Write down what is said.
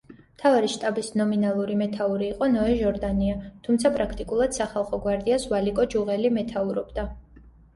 მთავარი შტაბის ნომინალური მეთაური იყო ნოე ჟორდანია, თუმცა, პრაქტიკულად, სახალხო გვარდიას ვალიკო ჯუღელი მეთაურობდა.